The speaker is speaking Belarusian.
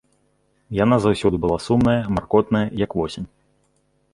Яна заўсёды была сумная, маркотная, як восень.